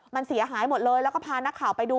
มันเสียหายหมดเลยแล้วก็พานักข่าวไปดู